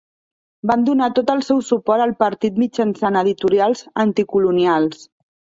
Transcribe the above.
Van donar tot el seu suport al partit mitjançant editorials anticolonials.